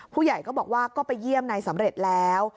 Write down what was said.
ผู้ใหญ่ก็บอกว่าก็ไปเยี่ยมนายสำเร็จแล้ว